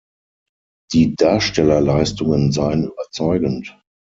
Die Darstellerleistungen seien überzeugend.